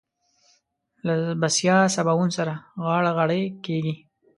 له بسيا سباوون سره غاړه غړۍ کېږي.